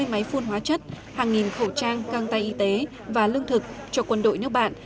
một trăm năm mươi máy phun hóa chất hàng nghìn khẩu trang căng tay y tế và lương thực cho quân đội nước bạn